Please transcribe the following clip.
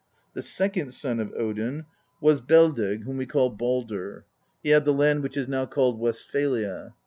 The second son of Odin was 8 PROLOGUE Beldeg, whom we call Baldr : he had the land which is now called Westphalia.